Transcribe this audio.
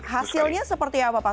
hasilnya seperti apa pak